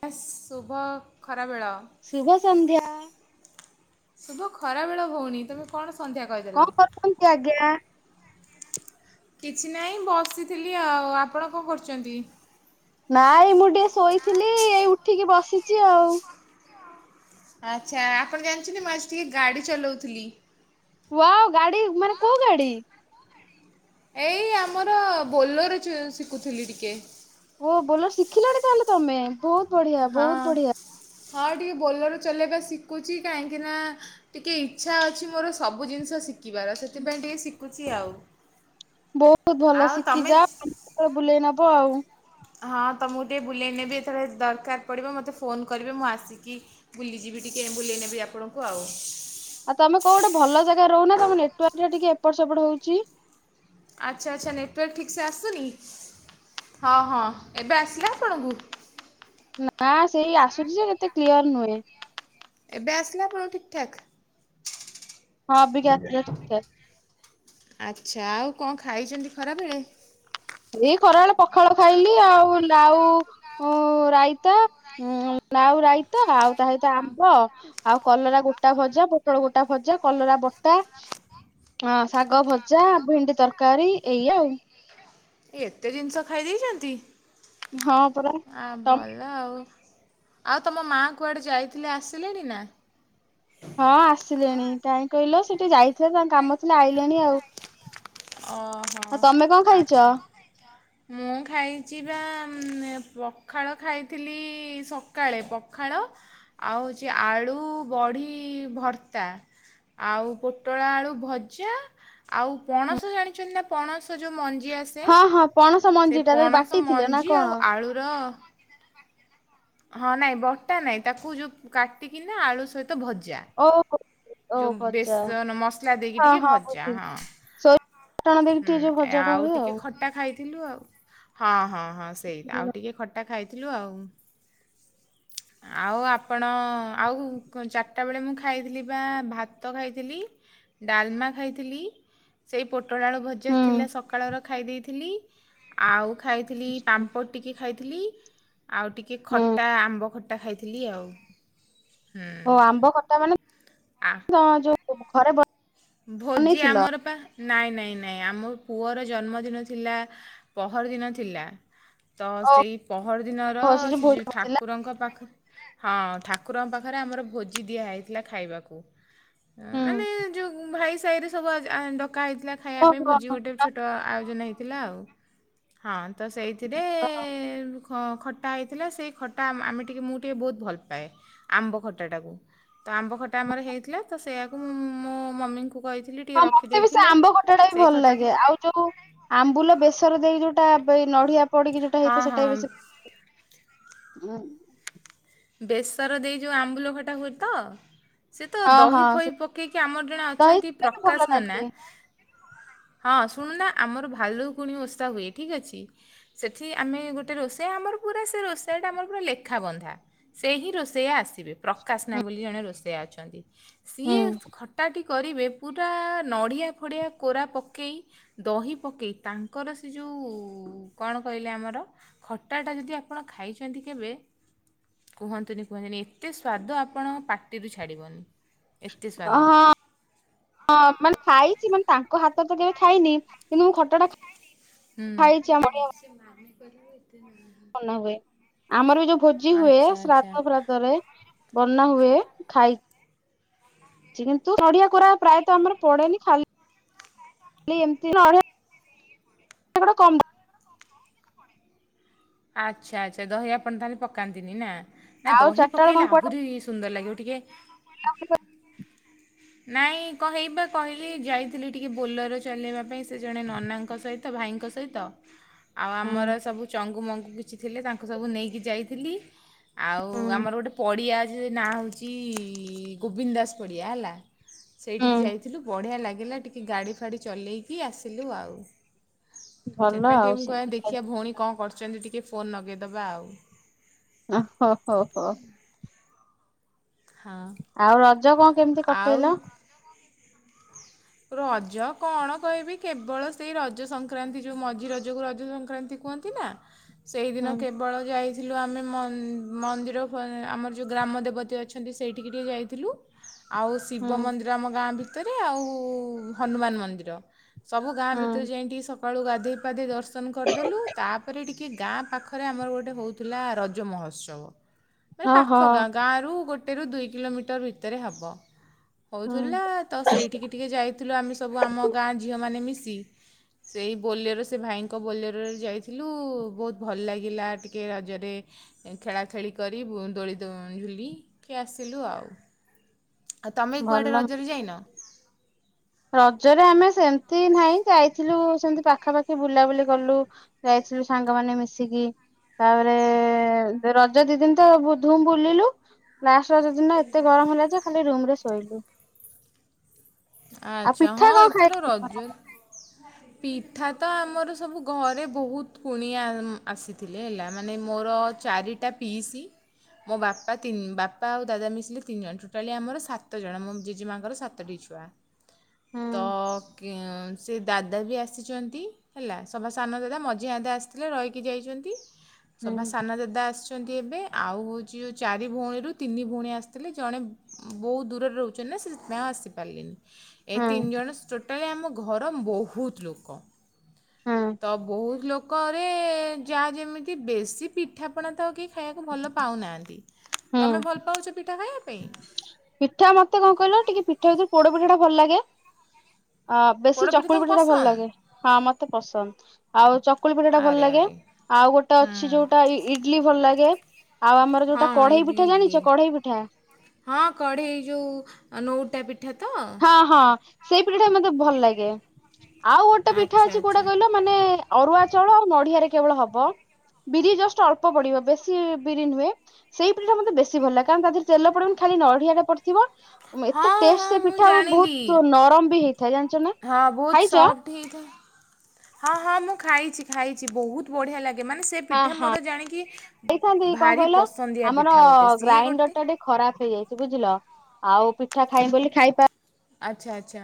ହେସ୍ ଶୁଭ ଖରାବେଳ। ଶୁଭସନ୍ଧ୍ୟଆ। ଶୁଭ ଖରା ବେଳ ଭଉଣି ତମେ କଣ ସନ୍ଧ୍ୟା କହିଦେଲ? କଣ କରୁଚନ୍ତି ଆଜ୍ଞା। କିଛି ନାହିଁ ବସିଥିଲି ଆଉ ଆପଣ କଣ କରୁଚନ୍ତି। ନାଇଁ ମୁଁ ଟିକେ ଶୋଇଥିଲି ଏଇ ଉଠିକି ବସିଚି ଆଉ। ଆଚ୍ଛା ଆପଣ ଜାଣିଚନ୍ତିି ମୁଁ ଆଜି ଟିକେ ଗାଡି ଚଲଉଥିଲି। ୱାଅ ଗାଡି ମାନେ କୋଉ ଗାଡି। ଏଇ ଆମର ବୋଲୋର ଶିକୁଥିଲି ଟିକେ। ଓ ବୋଲର ଶିଖିଲଣି ତାହେଲେ ତମେ ବୋହୁତ ବଢିଆ ବୋହୁତ ବଢିଆ। ହ ଟିକେ ବୋଲର ଚଲେଇବା ଶିକୁଚି କାହିଁକି ନା ଟିକେ ଇଚ୍ଛା ଅଛି ମୋର ସବୁ ଜିନିଷ ଶିକିବାର ସେଥିପାଇଁ ଟିକେ ଶିକୁଚି ଆଉ। ବୋହୁତ ଭଲ ଆଉ ଶିଖି ତମେ ଯା ବୁଲେଇ ନବ ଆଉ। ହଁ ତୁମକୁ ଟିକିେ ବୁଲେଇ ନେବି ଏଥର ଦରକାର ପଡ଼ିବ ମୋତେ ଫୋନ୍ କରିବେ ମୁଁ ଆସିକି ବୁଲିଯିବି ଟିକେ ବୁଲେଇ ନେବି ଆପଣଙ୍କୁ ଆଉ। ଆଉ ତମେ କୋ ଉ ଗୋଟେ ଭଲ ଜାଗାରେ ରହୁ ନ ତମ ନେଟୱାର୍କ ଟା ଟିକେ ଏପଟ ସେପଟ ହୋଉଚି। ଆଚ୍ଛା ଆଚ୍ଛା ନେଟୱାର୍କ ଠିକ୍ସେ ଆସୁନି ହଁ ହଁ ଏବେ ଆସିଲା ଆପଣଙ୍କୁ? ନା ସେଇ ଆସୁଚି ଯେ ସେତେ କ୍ଲିୟର ନୁହେଁ। ଏବେ ଆସିଲା ପୁରା ଠିକ୍ ଠାକ୍? ହଁ ଅବିକା ଆସିଲା ଠିକ୍ ଠାକ୍। ଆଚ୍ଛା ଆଉ କଣ ଖାଇଚନ୍ତି ଖରାବେଳେ? ଏଇ ଖରାବେଳେ ପଖାଳ ଖାଇଲି ଆଉ ଲାଉ ଉ ରାଇତା ଉ ନାଉ ରାଇତା ଆଉ ତା ସହିତ ଆମ୍ବ ଆଉ କଲରା ଗୋଟା ଭଜା ପୋଟଳ ଗୋଟା ଭଜା କଲରା ବଟା ହଁ ଶାଗ ଭଜା ଭେଣ୍ଡି ତରକାରୀ ଏଇଆ ଆଉ। ଏତେ ଜିନିଷ ଖାଇ ଦେଇଚନ୍ତି? ହଁ ପରା ଆ ତମେ ଭଲ ଆଉ। ଆଉ ତମ ମାଁ କୁଆଡ଼େ ଯାଇଥିଲେ ଆସିଲେଣି ନା? ହଁ ଆସିଲେଣି କାହିଁ କହିଲ ସେଟିକେ ଯାଇଥିଲେ ତାଙ୍କ କାମ ଥିଲା ଆଇଲେଣି ଆଉ। ଓହୋ ଆଉ ତମେ କଣ ଖାଇଛ ଆଚ୍ଛା ମୁଁ ଖାଇ ଖାଇଚି ପା ପଖାଳ ଖାଇଥିଲି ସକାଳେ ପଖାଳ ଆଉ ହଉଚି ଆଳୁ ବଢ଼ି ଭର୍ତ୍ତା ଆଉ ପୋଟଳ ଆଳୁ ଭଜା ଆଉ ପଣସ ଜାଣିଚନ୍ତି ନା ପଣସ ଯୋଉ ମଞ୍ଜି ଆସେ? ହଁ ହଁ ପଣସ ସେ ମଞ୍ଜି ଟା ତାକୁ ପଣସ ବାଟି ଥିଲେ ନା ମଞ୍ଜି ଆଉ କଣ? ଆଳୁର ହଁ ନାଇଁ ବଟା ନାଇଁ ତାକୁ ଯୋଉ କାଟିକିନା ଆଳୁ ସହିତ ଭଜା। ଓହୋ। ଓ ଯୋଉ ଭଜା ବେସନ ମସଲା ଦେଇକି ହଁ ଟିକେ ହଁ ଭଜା ବୁଝିଲି ହଁ। ସୋରିଷ ବାଟଣ ଦେଇକି ହୁଁ ଟିକେ ଯୋଉ ଭଜାଟା ଆଉ ହୁଏ ଟିକେ ଖ ଟା ଖାଇଥିଲୁ ଆଉ। ହଁ, ହଁ, ହଁ ସେଇ ଆଉ ଟିକେ ଖଟା ଖାଇଥିଲୁ ଆଉ। ଆଉ ଆପଣ ଆଉ କ-ଚାଟା ବେଳେ ମୁଁ ଖାଇଥିଲି ବା ଭାତ ଖାଇଥିଲି, ଡାଲମା ଖାଇଥିଲି। ସେଇ ପୋଟଳ ଆଳୁ ଭଜା ଥିଲା ସକାଳର ଖାଇ ଦେଇଥିଲି ଆଉ ଖାଇଥିଲି ହୁଁ ପାମ୍ପଡ ଟିକେ ଖାଇଥିଲି ଆଉ ଟିକେ ହୁଁ ଖଟା ଆମ୍ୱ ଖଟା ଖାଇଥିଲି ଆଉ। ଓ ଆମ୍ବ ଖଟା ମାନେ ଆ ଯା ଯୋଉ ଘରେ ବ ଭୋଜି ଆମର ପା। ନାଇଁ ନାଇଁ ନାଇଁ ଆମ ପୁଅର ଜନ୍ମଦିନ ଥିଲା ପହରଦିନ ଥିଲା। ତ ସେଇ ପହରଦିନର ଓହୋ ସେ ଯୋଉ ଭୋଜି ଥିଲା ଠାକୁରଙ୍କ ପାଖ ହଁ ଠାକୁରଙ୍କ ପାଖରେ ଆମର ଭୋଜି ଦିଆ ହେଇଥିଲା ଖାଇବାକୁ ଅ, ହୁଁ ମାନେ ଭାଇସାହି ରେ ସବୁ ଆଜ ଆଁ, ଡକା ହେଇଥିଲା ଖାଇବା ପାଇଁ ଓହୋ ଭୋଜି ଗୋଟେ ଛୋଟ ଆୟୋଜନ ହେଇଥିଲା ଆଉ। ହଁ ତ ସେଇଥିରେ [inaudible] ଖ-ଖଟା ହେଇଥିଲା ସେଇ ଖଟା ଆମ ଆମେ ଟିକେ ମୁଁ ଟିକେ ବହୁତ ଭଲ ପାଏ ଆମ୍ବ ଖଟାଟାକୁ। ତ ଆମ୍ବ ଖଟା ଆମର ହେଇଥିଲା ତ ସେଇଆକୁ ମୁଁ ମୋ ମମିଙ୍କୁ କହିିଥି ହଁ ମୋତେ ବି ସେ ଆମ୍ବ ଖଟା ଟା ବି ଭଲ ଖଟାକୁ ଲାଗେ। ଆଉ ଯୋଉ ଆମ୍ବୁଲ ବେସର ଦେଇ ଯୋଉଟା ଦେଇ ନଢିଆ ପଡିକି ଯୋଉଟା ହଁ ହେଇଥିବ ସେଟା ହଁ ବି ବେଶି ଅଁ, ବେସର ଦେଇ ଯୋଉ ଆମ୍ବୁଲ ଖଟା ହୁଏ ତ? ସେ ତ ହଁ ହଁ ଦହି ଫହି ସୁଧ ପକେଇକି ଆମର ଜଣେ ହେଇ ଅଛନ୍ତି ସେଟା ବି ଭଲ ପ୍ରକାଶ ନନା ଲାଗେ ହଁ ଶୁଣୁନା ଆମର ଭାଲୁକୁଣୀ ଓଷା ହୁଏ ଠିକ ଅଛି। ସେଠି ଆମେ ଗୋଟେ ରୋଷେଇଆ ଆମର ପୁରା ସେ ରୋଷେଇଆଟା ଆମର ପୁରା ଲେଖା ବନ୍ଧା। ସେ ହିଁ ରୋଷେଇଆ ଆସିବେ। ପ୍ରକାଶନା ବୋଲି ଜଣେ ରୋଷେଇଆ ଅଛନ୍ତି ହୁଁ ସିଏ ଖ ଟାଟି କରିବେ ପୁରା ନଡ଼ିଆ ଫଡ଼ିଆ କୋରା ପକେଇ ଦହି ପକେଇ ତାଙ୍କର ସେ ଯୋଉ କଣ କହିଲେ ଆମର ଖଟା ଟା ଯଦି ଆପଣ ଖାଇଛନ୍ତି କେବେ କୁହନ୍ତୁନି କୁହନ୍ତୁନି ଏତେ ସ୍ୱାଦ ଆପଣଙ୍କ ପାଟିରୁ ଛାଡ଼ିବନି। ଏତେ ସ୍ୱାଦ ଅ, ହଁ, ହଁ ମାନେ ଖାଇଛି ମାନେ ତାଙ୍କ ହାତ ରୁ ତ କେବେ ଖାଇନି। କିନ୍ତୁ ମୁଁ ଖଟା ଟା ଖାଇଛି ଆମର। ସେମାନେ [inaudible] ବନା ହୁଏ ଆମର ବି ଯୋଉ ଭୋଜି ହୁଏ ଆଚ୍ଛା ଆଚ୍ଛା। ଶ୍ରାଦ୍ଧ ବ୍ରତରେ ବନା ହୁଏ ଖାଇ ଚି କିନ୍ତୁ ନଡିଆ କୋରା ପ୍ରାୟତ ଆମର ପଡେନି, ଖାଲ ଲି ଏମତି [inaudible] ଆଚ୍ଛା ଆଚ୍ଛା ଦହି ଆପଣ ତାହେଲେ ପକାନ୍ତିନି ନା? ନା ଆଉ ଦହି ଚାରିଟା ବେଳେ କଣ ପକେଇଲେ କୁଆଡେ ଆହୁରି ସୁନ୍ଦର ଲାଗିବ ଟିକେ [inaudible] ନାଇଁ କହିବା କହିକି ଯାଇଥିଲି ଟିକେ ବୋଲେର ଚଲେଇବା ପାଇଁ। ସେ ଜଣେ ନନାଙ୍କ ସହିତ ଭାଇଙ୍କ ସହିତ ଆଉ ହୁଁ ଆମର ସବୁ ଚଙ୍ଗୁମଙ୍ଗ ଗୁ କିଛି ଥିଲେ ତାଙ୍କୁ ସବୁ ନେଇକି ଯାଇଥିଲି। ଆଉ ଆମର ଗୋଟେ ପଡିଆ ଅ ଛି ନାଁ ହଉଚି ଗୋବିନ୍ଦ ଦାସ ପଡ଼ିଆ ହେଲା। ସେଇଠିକି ହୁଁ ଯାଇଥିଲୁ ବଢ଼ିଆ ଲାଗିଲା ଟିକେ ଗାଡ଼ି ଫାଡ଼ି ଚଲେଇକି ଆସିଲୁ ଆଉ। ଚେଟ୍ ଭଲ ପାଇଁ ଟିକେ ଆଉ ମୁଁ କହେ ସେଥିପାଇଁ ଦେଖିଆ ଭଉଣୀ କଣ କରୁଛନ୍ତି ଟିକେ ଫୋନ୍ ନଗେଇଦବା ଆଉ। ଓ ହୋ ହୋ ହୋ। ହଁ। ଆଉ ରଜ କଣ କେମିତି ଆଉ କଟେଇଲ? ରଜ କଣ କହିବି କେବଳ ସେଇ ରଜ ସଂକ୍ରାନ୍ତି ଯୋଉ ମଝି ରଜକୁ ରଜ ସଂକ୍ରାନ୍ତି କୁହନ୍ତି ନା ହୁଁ ସେଇଦିନ କେବଳ ଯାଇ ଥିଲୁ ଆମେ ମନ୍ଦିର ଆମର ଯେଉଁ ଗ୍ରାମ ଦେବତୀ ଅଛନ୍ତି ସେଇଠିକି ଟିକେ ଯାଇଥିଲୁ। ଆଉ ହୁଁ ଶିବ ମନ୍ଦିର ଆମ ଗାଁ ଭିତରେ ଆଉ ହନୁମାନ ମନ୍ଦିର। ସବୁ ଗାଁ ଭିତରେ ହୁଁ ଯାଇ ଟିକେ ସକାଳୁ ଗାଧେଇ ପାଧେଇ ଦର୍ଶନ କରିଦେଲୁ। ତାପରେ ଟିକେ କି ଗାଁ ପାଖରେ ଆମର ଗୋଟେ ହଉଥିଲା ରଜ ମହୋତ୍ସବ। ମାନେ ପାଖ ଓହୋ ଗାଁ। ଗାଁରୁ ଗୋଟେରୁ ଦୁଇ କିଲୋମିଟର ଭିତରେ ହେବ। ହୁଁ ହେଉଥିଲା ତ ସେଇଠିକି ଟିକେ ଯାଇଥିଲୁ ଆମେ ସବୁ ଆମ ଗାଁ ଝିଅମାନେ ମିଶି। ସେଇ ବୋଲେର ସେ ଭାଇଙ୍କ ବୋଲେରରେ ଯାଇଥିଲୁ ବହୁତ ଭଲ ଲାଗିଲା ଟିକେ ରଜରେ ଖେଳା ଖେଳି କରି ଦୋଳି ଦୋ ଝୁଲି କି ଆସିଲୁ ଆଉ। ଆଉ ତମେ କୁଆଡ଼େ ଭଲ ରଜରେ ଯାଇନ? ରଜରେ ଆମେ ସେମତି ନାହିଁ। ଯାଇଥିଲୁ ସେମିତି ପାଖାପାଖି ବୁଲାବୁଲି କଲୁ। ଯାଇଥିଲ ସାଙ୍ଗମାନେ ମିଶିକି। ତାପରେ ରଜ ଦି ଦିନ ତ ବ ଧୁମ୍ ବୁଲିଲୁ। ଲାଷ୍ଟ୍ ରଜ ଦିନ ଏତେ ଗରମ ହେଲା ଯେ ଖାଲି ରୁମ ରେ ଶୋଇଲୁ। ଆଉ ଆଚ୍ଛା ହଁ ପିଠା କଣ ଖାଇ ଏଥର ରଜ ପିଠା ତ ଆମର ସବୁ ଘରେ ବହୁତ କୁଣିଆ ଆସିଥିଲେ ହେଲା ମାନେ ମୋର ଚାରି ଟା ପିଇସି। ମୋ ବାପା ତିନି ବାପା ଆଉ ଦାଦା ମିଶିଲେ ତିନି ଜଣ। ଟୋଟାଲି ଆମର ସାତ ଜଣ। ମୋ ଜେଜେମାଆଙ୍କର ସାତଟି ଛୁଆ। ହୁଁ ତ ସେ ଦାଦା ବି ଆସିଛନ୍ତି। ହେଲା ସଭା ସାନ ଦାଦା ମଝିଆଦେ ଆସିଥିଲେ ରହିକି ଯାଇଛନ୍ତି। ହୁଁ ସଭା ସାନ ଦାଦା ଆସିଛନ୍ତି ଏବେ। ଆଉ ହେଉଛି ଯେଉଁ ଚାରି ଭଉଣୀରୁ ତିନି ଭଉଣୀ ଆସିଥିଲେ ଜଣେ ବହୁତ ଦୂରରେ ରହୁଛନ୍ତି ନା ସେଥ୍ ପାଇଁ ଆଉ ଆସିପାରିଲେନି। ଏ ହୁଁ ତିନି ଜଣ ଟୋଟାଲି ଆମ ଘର ବହୁତ ଲୋକ। ହୁଁ ତ ବହୁତ୍ ଲୋକରେ ଯାହା ଯେମିତି ବେଶୀ ପିଠାପଣା ତ କେ ଖାଇବାକୁ ଭଲ ପାଉନାହାନ୍ତି। ହୁଁ ତମେ ଭଲ୍ ପାଉଛ ପିଠା ଖାଇବା ପାଇଁ? ପିଠା ମତେ କଣ କହିଲ ଟିକେ ପିଠା ଭିତରେ ପୋଡ଼ ପିଠା ଟା ଭଲ୍ ଲାଗେ। ଆ ବେଶୀ ପୋଡ଼ପିଠା ଚକୁଳି ତୁମ ପିଠା ଟା ଭଲ୍ ପସନ୍ଦ ଲାଗେ। ହଁ ମତେ ପସନ୍ଦ। ଆଉ ଚ କୁଳି ପିଠାଟା ଭଲ୍ ଆରେ ଲାଗେ। ଆରେ ଆଉ ଗୋଟେ ଅଛି ହୁଁ ଯଉଟା ଇ ଇଡିଲି ଭଲ୍ ଲାଗେ। ଆଉ ଆମର ଯଉଟା ହଁ କଢ଼େଇ ଇଡ଼ଲି ପିଠା ଇଡ଼ଲି ଜାଣିଛ କଢ଼େଇ ପିଠା? ହଁ କଢ଼େଇ ଯଉ ନଉଟା ପି ପିଠା ତ? ହଁ ହଁ ସେଇ ପିଠାଟା ମତେ ଭଲ୍ ଲାଗେ। ଆଉ ଗୋଟେ ପିଠା ଆଚ୍ଛା ଅଛି କୋଉଟା ଆଚ୍ଛା କହିଲ? ମାନେ ଅରୁଆ ଚାଉଳ ଆଉ ନଡ଼ିଆ ରେ କେବଳ ହବ। ବିରି ଜଷ୍ଟ୍ ଅଳ୍ପ ପଡ଼ିବ ବେଶୀ ବିରି ନୁହେଁ। ସେଇ ପିଠା ଟା ମତେ ବେଶୀ ଭଲ୍ ଲାଗେ କାରଣ ତା ଦେହରେ ତେଲ ପଡ଼ିବ ଖାଲି ନଡ଼ିଆ ଢା ପଡି଼ଥିବ। ଏତେ ହଁ ଟେଷ୍ଟ୍ ହଁ ସେ ପି ମୁଁ ଜାଣିଲି ନା ହଁ ବହୁତ୍ ଖାଇଛ? ସଫ୍ଟ୍। ଠି ହେଇ ହଁ ହଁ ମୁଁ ଖାଇଛି ଖାଇଛି ବହୁତ୍ ବଢ଼ିଆ ଲାଗେ ମାନେ ସେ ହଁ ପିଠା ହଁ। ମୋର ଜାଣିକି ଖାଇଥାନ୍ତି କଣ ଭାରି କହିଲ ପସନ୍ଦିଆ ପିଠା ଗୋଟେ ସିଏ ଗୋଟେ। ଖରାପ୍ ହେଇଯାଇଛି ବୁଝିଲ। ଆଉ ପିଠା ଖାଇମ୍ ବୋଲି ଖାଇପା ଆଚ୍ଛା ଆଚ୍ଛା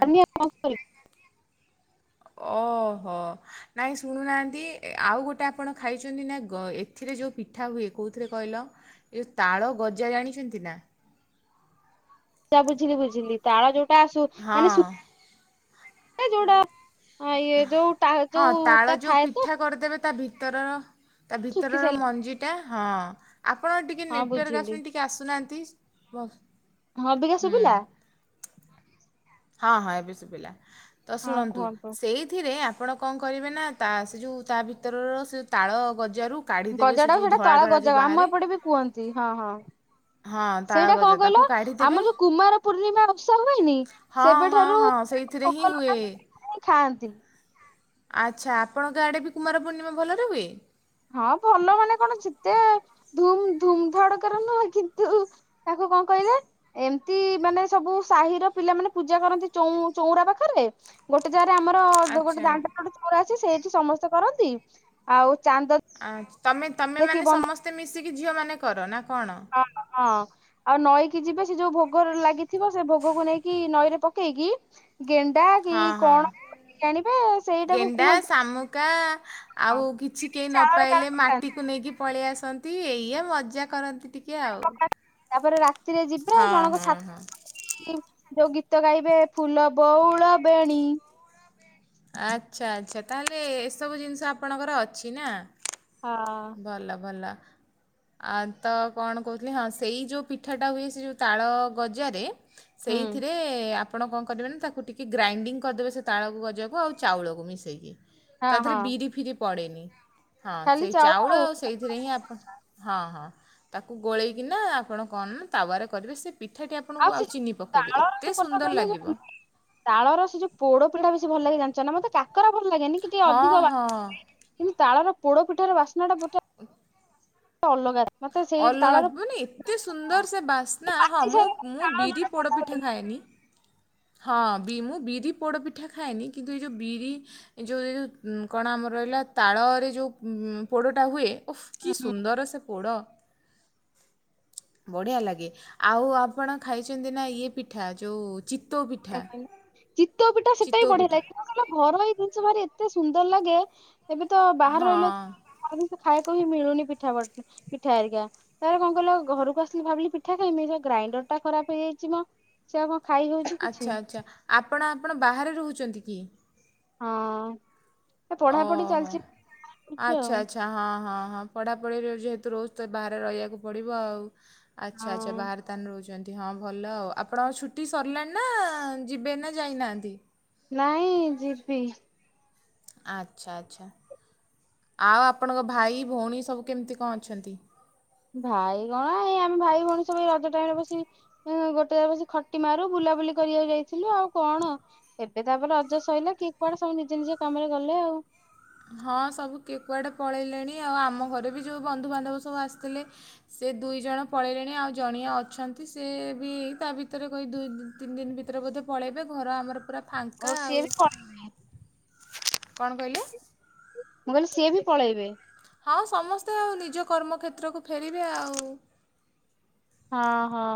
ଓହୋ। ନାଇଁ ଶୁଣୁନାହାନ୍ତି ଆଉ ଗୋଟେ ଆପଣ ଖାଇଛନ୍ତି ନା ଗ ଏଥିରେ ଯଉ ପିଠା ହୁଏ କଉଥିରେ କହିଲ? ଏଇ ତାଳ ଗଜା ଜାଣିଛନ୍ତି ନା? ତା ବୁଝିଲି ବୁଝିଲି ତାଳ ଯୋଉଟା ଆସୁ ମାନେ ସୁ ହଁ ମାନେ ଯୋଉଟା ହଁ ଇଏ ଯୋଉଟା ହଁ ଯୋଉଟା ତାଳ ଯୋଉ ଥାଏ ତ ପିଠା କରିଦେବେ ତା ଭିତରର ତା ଶୁଖି ଭିତରର ସାରିଲା ମଞ୍ଜିଟା ହଁ ଆପଣ ଟିକେ ହଁ ନେଟ୍ୱାର୍କ ବୁଝିଲି ଆସୁନି ଟି ଟିକେ ଆସୁନାହାନ୍ତି ମୋ ହଁ ଅଭିକା ଶୁଭିଲା। ହଁ ଏବେ ଶୁବିଲା ତ ହଁ ଶୁଣନ୍ତୁ କୁହନ୍ତୁ। ସେଇ ଥିରେ ଆପଣ କଣ କରିବେ ନା ତା ସେ ଯୋଉ ତା ଭିତରର ସେଇ ତାଳ ଗଜାରୁ କାଢ଼ିଦେବେ ସେ ଗଜଟାକୁ ଯେଉଁ ସେଇଟା ଧଳା ତାଳ ଧଳା ଯେଉଁ ଗଜା ଆମ ବାହାରେ ଏପଟେ ବି କୁହନ୍ତି ହଁ ହଁ। ହଁ ତାଳ ସେଇଟା କଣ ଗଜା କହିଲ ତାକୁ କାଢ଼ିଦେବେ ଆମର ଯୋଉ କୁମାର ପୂର୍ଣ୍ଣିମା ଓସା ହୁଏନି। ହଁ ହଁ ସେବେଠାରୁ ହଁ ସେଇଥିରେ ହିଁ ହୁଏ। [unintelligible] ଖାଆନ୍ତି। ଆଚ୍ଛା ଆପଣଙ୍କ ଆଡ଼େ ବି କୁମାର ପୂର୍ଣ୍ଣିମା ଭଲରେ ହୁଏ? ହଁ ଭଲ ମାନେ କଣ ଯେତେ ଧୁମ୍ ଧୁମ୍ ଧଡାକରେ ନୁହଁ କିନ୍ତୁ ତାକୁ କଣ କହିଲେ? ଏମିତି ମାନେ ସବୁ ସାହିର ପିଲାମାନେ ପୂଜା କରନ୍ତି ଚଉଁ ଚଉଁରା ପାଖରେ। ଗୋଟେ ଜାଗାରେ ଆମର ଗୋଟେ ଆଚ୍ଛା। ଦାଣ୍ଡଟେ ଚଉଁରା ଅଛି ସେଇଠି ସମସ୍ତେ କରନ୍ତି ଆଉ ଚାନ୍ଦ ଆଚ୍ ତମେ ତମେ ଦେଖି ମାନେ ବନ୍ଦ ସମସ୍ତେ ମିଶିକି ଝିଅ ମାନେ କର ନା କଣ? ହଁ ହଁ। ଆଉ ନଈକି ଯିବେ ସେ ଯୋଉ ଭୋଗ ଲାଗିଥିବ ସେ ଭୋଗକୁ ନେଇକି ନଈରେ ପକେଇକି। ଗେଣ୍ଡା କି ହଁ ହଁ କଣ? ଧରିକି ଆଣିବେ ସେଇଟାକୁ ଗେଣ୍ଡା, କୁହନ୍ତି ଶାମୁକା କଣ ଆଉ କିଛି କେହି ନ ଚାଳରେ କାଳେ ପାଇଲେ ପକାନ୍ତି ମାଟିକୁ ନେଇକି। ପଳେଇ ଆସନ୍ତି ଏଇଆ ମଜା କରନ୍ତି ଟି ତାପରେ ରାତିରେ ଯିବେ ହଁ ଜଣଙ୍କ ହଁ ଛା ହଁ ଯୋଉ ଗୀତ ଗାଇବେ ଫୁଲ ବଉଳ ବେଣୀ। ଆଚ୍ଛା ଆଚ୍ଛା ତା ହେଲେ ଏସବୁ ଜିନିଷ ଆପଣଙ୍କର ଅଛି ନା? ହଁ। ଭଲ ଭଲ। ଆ ତ କଣ କହୁଥିଲି ହଁ ସେଇ ଯୋଉ ପିଠାଟା ହୁଏ ସେ ଯୋଉ ତାଳ ଗଜାରେ। ହୁଁ। ସେଇଥିରେ ଆ ଆପଣ କଣ କରିବେ ନା ତାକୁ ଟିକେ ଗ୍ରାଇଣ୍ଡିଙ୍ଗ୍ କରିଦେବେ ସେ ତାଳକୁ ଗଜାକୁ ଆଉ ଚାଉଳକୁ ମିଶେଇକି। ହଁ ତା ଦେହରେ ହଁ ବିରି ଫିରି ପଡେନି ହଁ ସେଇ ଚାଉଳ ଆଉ ସେ ସେଇଥିରେ ଆପଣ ହଁ ହଁ ତାକୁ ଗୋଳେଇକିନା ଆପଣ କଣ ତାୱାରେ କରିବେ ସେ ପିଠାଟି ଆପଣଙ୍କୁ ସେ ଆଉ ଯୋଉ ଚିନି ପକାଇବେ ତାଳର ଯୋଉ ଏତେ କଥା ସୁନ୍ଦର କହିଲେ ଯୋଉ ଲାଗିବ। ତାଳର ସେ ଯୋଉ ପୋଡ ପିଢାଟା ବେଶୀ ଭଲ ଲାଗେ ଜାଣିଛ ନା ମତେ କାକରା ଭଲ ଲାଗେନି କି ଟିକେ ହଁ ଅଧିକ ହଁ କିନ୍ତୁ ତାଳର ପୋଡ ପିଠାର ବାସ୍ନାଟା ଗୋଟେ ହ ଅଲଗା ମତେ ସେଇ ଅଲଗା ତାଳର ଏତେ ସୁନ୍ଦର ସେ ବାସ୍ନା ହଁ ପାଚି ମୁଁ ସାଇଲେ ମୁଁ ତାଳ ବିରି ଯୋଉଟା ଭଲ ପୋଡପିଠା ଲାଗେ ଖାଏନି। ହଁ ବି ମୁଁ ବିରି ପୋଡପିଠା ଖାଏନି କିନ୍ତୁ ଏଇ ଯୋଉ ବିରି ଏ ଯୋଉଁ କଣ ଆମର ରହିଲା ତାଳରେ ଯୋଉ ପୋଡ଼ଟା ହୁଏ ଓଫ୍ ହୁଁ କି ହୁଁ। ସୁନ୍ଦର ସେ ପୋଡ଼ ବଢିଆ ଲାଗେ ଆଉ ଆପଣ ଖାଇଛନ୍ତି ନା ଇଏ ପିଠା ଯୋଉ ହଁ ଚିତଉ ପିଠା ସେଟା ବି ଚିତଉ ବଢିଆ ପିଠା ଲାଗେ। ଘରୋଇ ଜିନିଷ ଭାରି ଏତେ ସୁନ୍ଦର ଲାଗେ ଏବେ ତ ବାହାର ହଁ ରହିଲେ। ଆଜି ମତେ ଖାଇବାକୁ ହିଁ ମିଳୁନି ପିଠା [unintelligible] ପିଠା ହେରିକା। ତାରେ କଣ କହିଲ ଘରକୁ ଆସିଲି ଭାବିଲି ପିଠା ଖାଇମି ଗ୍ରାଇଣ୍ଡର ଟା ଖରାପ ହେଇଯାଇଛି ମ ସେ ଆ କଣ ଖାଇ ହଉଛି ଆଚ୍ଛା କିଛି ଆଚ୍ଛା ଆପଣ ଆପଣ ବାହାରେ ରହୁଛନ୍ତି କି? ହଁ ଏ ପଢାପଢି ଓହୋ ଚାଲିଛି କରୁଛି ଆଉ ଆଚ୍ଛା ଆଚ୍ଛା ହଁ ହଁ ହଁ। ପଢ଼ାପଢ଼ିରେ ଯେହେତୁ ରୋଜ ତ ବାହାରେ ରହିବାକୁ ପଡ଼ିବ ଆଉ। ଆଚ୍ଛା ଆଚ୍ଛା ହଁ ବାହାରେ ଦତାନ ରହୁଛନ୍ତି ହଁ ଭଲ ଆଉ ଆପଣ ଛୁଟି ସରିଲାଣି ନା ଯିବେ ନା ଯାଇନାହାନ୍ତି। ନାଇଁ ଯିବି। ଆଚ୍ଛା ଆଚ୍ଛା ଆଉ ଆପଣଙ୍କ ଭାଇ ଭଉଣୀ ସବୁ କେମିତି କଣ ଅଛନ୍ତି? ଭାଇ କଣ ଏଇ ଆମେ ଭାଇ ଭଉଣୀ ସବୁ ଏଇ ରଜ ଟାଇମ ରେ ବସିକି ଗୋଟେ ଏମିତି ଖଟି ମାରୁ ବୁଲାବୁଲି କରିବାକୁ ଯାଇଥିଲୁ ଆଉ କଣ। ଏବେ ତାପରେ ରଜ ସଇଲା କିଏ କୁଆଡ଼େ ସବୁ ନିଜ ନିଜ କାମରେ ଗଲେ ଆଉ। ହଁ ସବୁ କେ କୁଆଡ଼େ ପଳେଇଲେଣି ଆଉ ଆମ ଘରେ ବି ଯୋଉ ବନ୍ଧୁ ବାନ୍ଧବ ସବୁ ଆସିଥିଲେ ସେ ଦୁଇ ଜଣ ପଳେଇଲେଣି ଆଉ ଜଣିଆ ଅଛନ୍ତି ସେ ବି ତା ଭିତରେ କହି ଦୁଇ ତିନି ଦିନ ଭିତରେ ବୋଧେ ପଳାଇବେ, ଘର ଆମର ପୁରା ଓ ଫାଙ୍କା ସିଏ ଆଉ ବି ପଳେଇବେ କଣ କହିଲେ? ମୁଁ କହିଲି ସିଏ ବି ପଳେଇବେ। ହଁ ସମସ୍ତେ ଆଉ ନିଜ କର୍ମକ୍ଷେତ୍ରକୁ ଫେରିବେ ଆଉ। ହଁ ହଁ